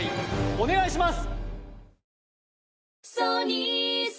お願いします